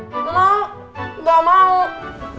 gak mau gak mau